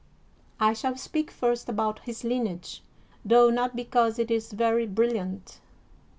I shall speak first about his lineage, tho not because it is very brilliant.